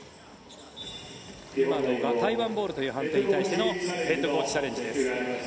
今のが台湾ボールという判定に対してのヘッドコーチチャレンジです。